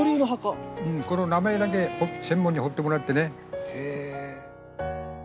うんこの名前だけ専門に彫ってもらってね。